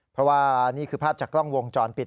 เพราะว่านี่คือภาพจากกล้องวงจรปิด